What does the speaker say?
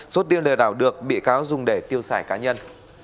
số tiêu lừa đảo được bị cáo dùng để tiêu sải cá nhân